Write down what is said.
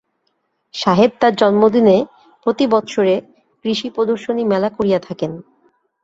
সাহেব তাঁহার জন্মদিনে প্রতি বৎসরে কৃষিপ্রদর্শনী মেলা করিয়া থাকেন।